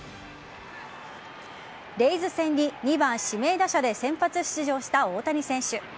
レイズ戦に２番・指名打者で先発出場した大谷選手。